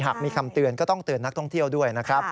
หากมีคำเตือนก็ต้องเตือนนักท่องเที่ยวด้วยนะครับ